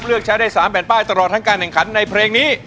เลือกใช้ได้๓แผ่นป้ายตลอดทั้งการแข่งขันในเพลงนี้